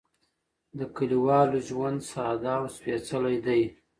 د کليوالو ژوند ساده او سپېڅلی دی.